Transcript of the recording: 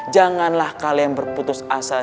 janganlah kalian berputus asa